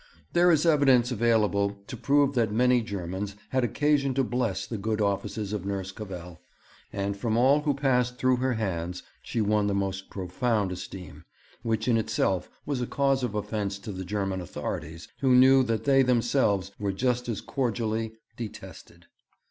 There is evidence available to prove that many Germans had occasion to bless the good offices of Nurse Cavell; and from all who passed through her hands she won the most profound esteem, which in itself was a cause of offence to the German authorities, who knew that they themselves were just as cordially detested.